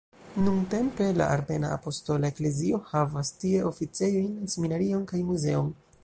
Nuntempe, la Armena Apostola Eklezio havas tie oficejojn, seminarion kaj muzeon.